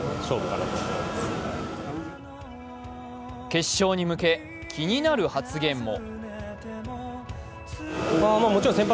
決勝に向け気になる発言も。